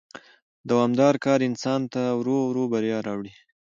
دوامدار کار انسان ته ورو ورو بریا راوړي